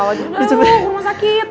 udah ayo ke rumah sakit